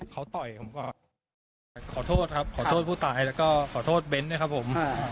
เขาต่อยผมก่อนขอโทษครับขอโทษผู้ตายแล้วก็ขอโทษเบ้นด้วยครับผม